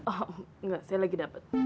oh enggak saya lagi dapat